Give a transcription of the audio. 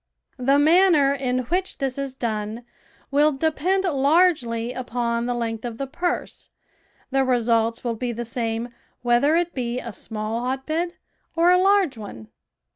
The manner in which this is done will depend largely upon the length of the purse, the results will be the same whether it be a small hotbed or a large one.